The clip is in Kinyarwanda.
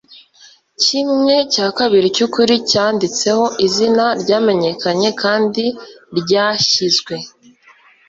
Kimwe cya kabiri cyukuri cyanditseho izina ryamenyekanye kandi ryashyizwe